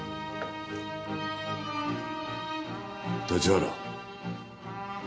立原。